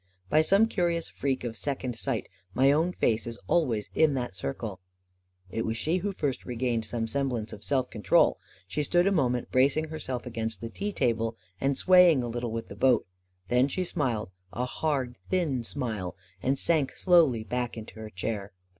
By some curious freak of second sight, my own face is always in that circle ! It was she who first regained some semblance of self control. She stood a moment bracing herself against the tea table and swaying a little with the boat; then she smiled, a hard, thin smile, and sank slowly back into her chair.